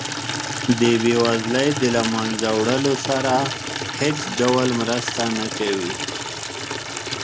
د بیوزلۍ د له مینځه وړلو سره هیڅ ډول مرسته نه کوي.